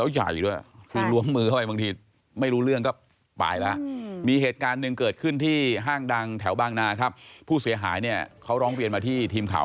ใช่บางรุ่นไม่มีเป็นแบบเปิดเลยค่ะ